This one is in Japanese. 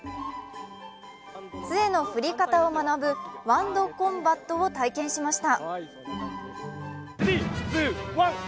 つえの振り方を学ぶ「ワンド・コンバット」を体験しました。